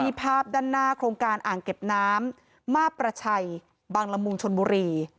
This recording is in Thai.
นี่ภาพด้านหน้าโครงการอ่างเก็บน้ำมาบประชัยบางละมุงชนบุรี